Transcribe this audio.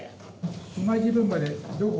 「今時分までどこ」